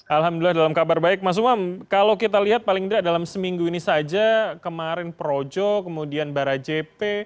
alhamdulillah dalam kabar baik mas umam kalau kita lihat paling tidak dalam seminggu ini saja kemarin projo kemudian barajep